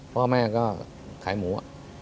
พ่อแม่ก็ขายหมู